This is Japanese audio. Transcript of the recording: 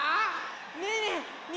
ねえねえ２